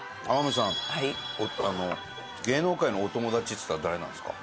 芸能界のお友達っていったら誰なんですか？